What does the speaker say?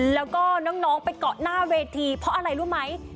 แล้วก็น้องไปเกาะหน้าเวทีเพราะอะไรรู้ไหม